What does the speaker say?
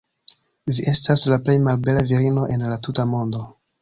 Vi estas la plej malbela virino en la tuta mondo."